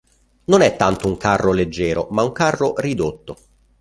Non è tanto un carro "leggero", ma un carro "ridotto".